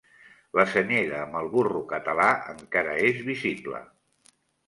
La senyera amb el burro català encara és visible.